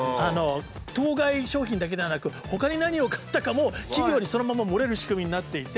当該商品だけではなくほかに何を買ったかも企業にそのまま漏れる仕組みになっていて。